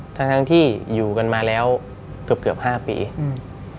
ทั้งที่อยู่กันมาแล้วเกือบ๕ปีอืม